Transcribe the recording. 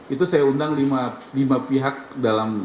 itu saya undang lima pihak dalam